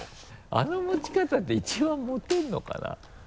あの持ち方って一番持てるのかな？